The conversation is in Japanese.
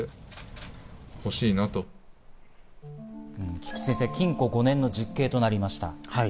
菊地先生、禁錮５年の実刑となりました。